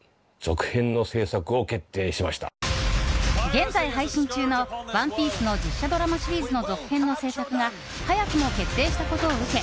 現在、配信中の「ＯＮＥＰＩＥＣＥ」の実写ドラマシリーズの続編の制作が早くも決定したことを受け